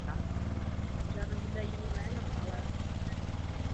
Barvou strany je dlouhodobě oranžová.